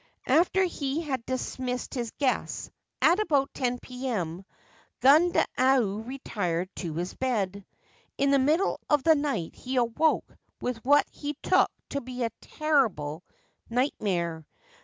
After he had dismissed his guests, at about 10 P.M., Gundayu retired to his bed. In the middle of the night he awoke with what he took to be a terrible nightmare.